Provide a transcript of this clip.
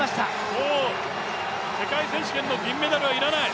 もう世界選手権の銀メダルは要らない！